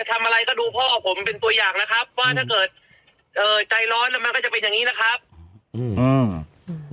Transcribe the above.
ทำอะไรก็ดูพ่อผมเป็นตัวอย่างนะครับว่าถ้าเกิดเอ่อใจร้อนแล้วมันก็จะเป็นอย่างงี้นะครับอืมอืม